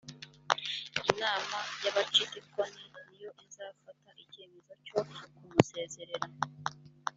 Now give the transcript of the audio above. inama y’ abacidikoni niyo izafata icyemezo cyo kumusezerera